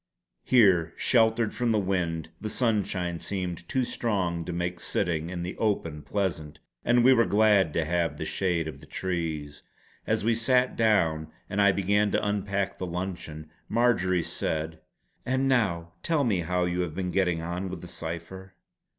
Here, sheltered from the wind, the sunshine seemed too strong to make sitting in the open pleasant; and we were glad to have the shade of the trees. As we sat down and I began to unpack the luncheon, Marjory said: "And now tell me how you have been getting on with the cipher."